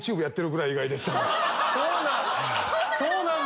そうなんだ